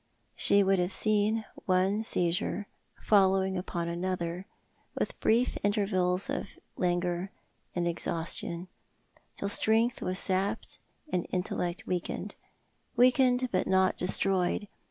She would have seen one seizure following uidou another, with brief intervals of languor and exhaustion, till strength was sapped and intellect weakened— weakened, but not destroyed.